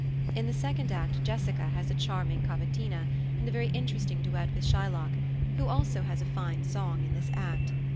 In the second act Jessica has a charming cavatina, and a very interesting duet with Shylock, who also has a fine song in this act.